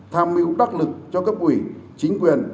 tham mưu đắc lực cho cấp quỷ chính quyền